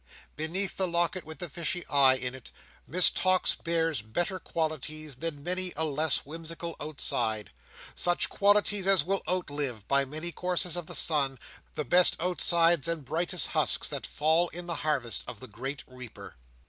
Beneath the locket with the fishy eye in it, Miss Tox bears better qualities than many a less whimsical outside; such qualities as will outlive, by many courses of the sun, the best outsides and brightest husks that fall in the harvest of the great reaper.